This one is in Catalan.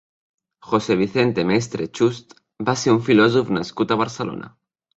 José Vicente Mestre Chust va ser un filòsof nascut a Barcelona.